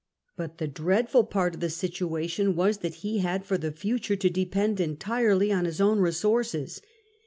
But the dreadful part of the situation was that he had for the future to depend entirely on his own resources.